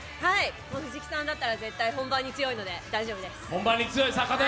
藤木さんだったら本番に強いので大丈夫です。